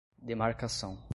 demarcação